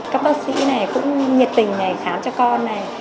các bác sĩ này cũng nhiệt tình này khám cho con này